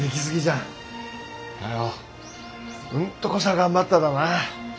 かようんとこさ頑張っただな。